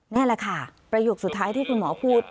นี่แหละค่ะประโยคสุดท้ายที่คุณหมอพูด